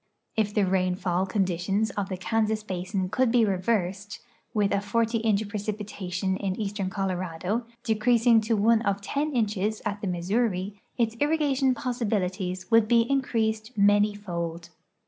If tbe rain tall conditions of the Kansas basin could be reversed, with a forty iuch preci]ntation in eastern Colorado, decreasing to one of ten inches at the Missouri, its irrigation possibilities would be in creased many fold.